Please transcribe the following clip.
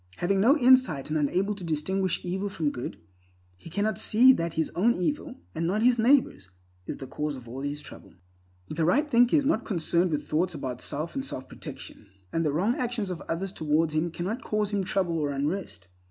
Having no insight and unable to distinguish evil from good, he cannot see that his own evil, and not his neighbor's, is the cause of all his trouble. The right thinker is not concerned with thoughts about self and self protection, and the wrong actions of others towards him cannot cause him trouble or unrest.